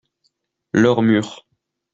Leur mur.